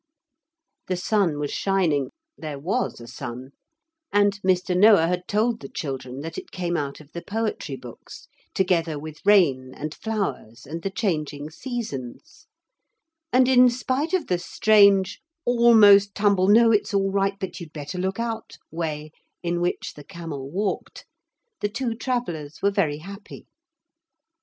The sun was shining there was a sun, and Mr. Noah had told the children that it came out of the poetry books, together with rain and flowers and the changing seasons and in spite of the strange, almost tumble no it's all right but you'd better look out way in which the camel walked, the two travellers were very happy.